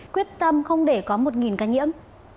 quyết tâm không để có một ca nhiễm